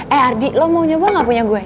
eh ardi lo mau nyoba gak punya gue